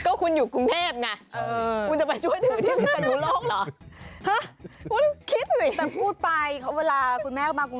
ก็คุณอยู่กรุงเทพนะ